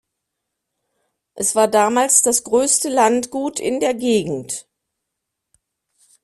Es war damals das größte Landgut in der Gegend.